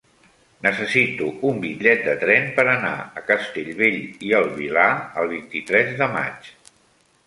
Necessito un bitllet de tren per anar a Castellbell i el Vilar el vint-i-tres de maig.